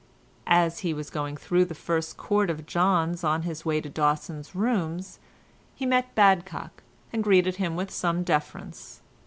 As he was going through the first court of John's on his way to Dawson's rooms, he met Badcock, and greeted him with some deference.